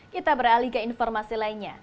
kita beralih ke informasi lainnya